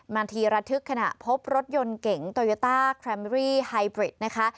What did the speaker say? มาทีระทึกขณะพบรถยนต์เก๋งโตโยต้าไฮบริดนะคะ